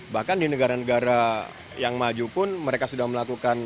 bahkan di negara negara yang maju pun mereka sudah melakukan